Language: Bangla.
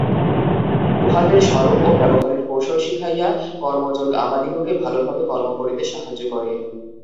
উহাদের স্বরূপ ও ব্যবহারের কৌশল শিখাইয়া কর্মযোগ আমাদিগকে ভালভাবে কর্ম করিতে সাহায্য করে।